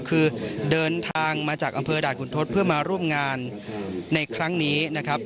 คือเดินทางมาจากด้านคุณทศเพื่อมาร่วมงานในครั้งนี้